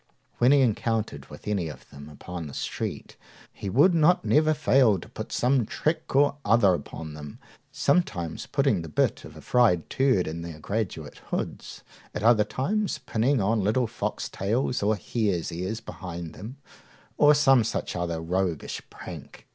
When he encountered with any of them upon the street, he would not never fail to put some trick or other upon them, sometimes putting the bit of a fried turd in their graduate hoods, at other times pinning on little foxtails or hares' ears behind them, or some such other roguish prank.